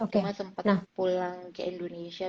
cuma sempat pulang ke indonesia